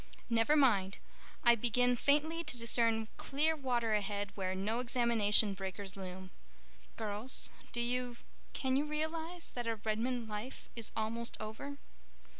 "Never mind—I begin faintly to discern clear water ahead where no examination breakers loom. Girls, do you—can you realize that our Redmond Life is almost over?"